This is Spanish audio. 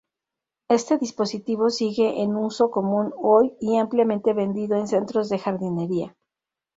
Este dispositivo sigue en uso común hoy y ampliamente vendido en centros de jardinería.